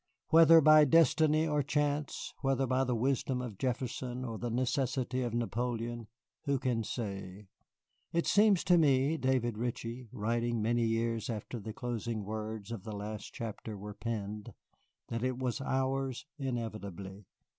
Whether by destiny or chance, whether by the wisdom of Jefferson or the necessity of Napoleon, who can say? It seems to me, David Ritchie, writing many years after the closing words of the last chapter were penned, that it was ours inevitably.